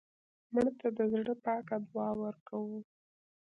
مړه ته د زړه پاکه دعا ورکوو